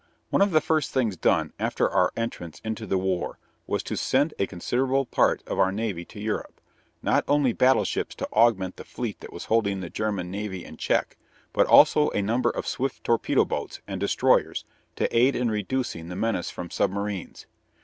One of the first things done after our entrance into the war was to send a considerable part of our navy to Europe, not only battleships to augment the fleet that was holding the German navy in check, but also a number of swift torpedo boats and destroyers to aid in reducing the menace from submarines.